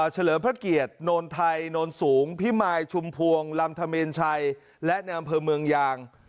เฉลิมพระเกียรตินไทยนสูงพิมายชุมพวงลำธะเมนชัยและนเมืองยาง